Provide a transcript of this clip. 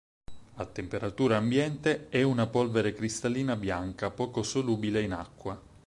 A temperatura ambiente è una polvere cristallina bianca, poco solubile in acqua.